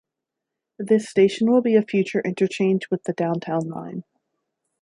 This station will be a future interchange with the Downtown Line.